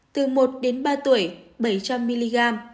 từ một đến ba tuổi bảy trăm linh mg